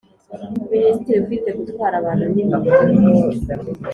Minisitiri ufite gutwara abantu n ibintu